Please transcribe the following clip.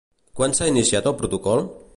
Quan s'ha iniciat el protocol?